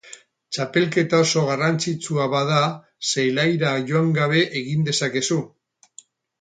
Txapelketa oso garrantzitsua bada zelaira joan gabe egin dezakezu.